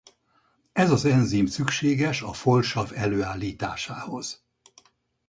Ez az enzim szükséges a folsav előállításához.